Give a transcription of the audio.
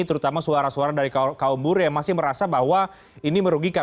terutama suara suara dari kaum buruh yang masih merasa bahwa ini merugikan